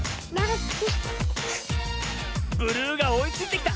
ブルーがおいついてきた。